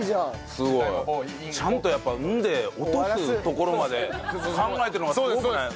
すごい！ちゃんとやっぱ「ん」で落とすところまで考えてるのがすごくない？